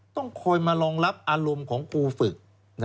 ต้องคอยมารองรับอารมณ์ของครูฝึก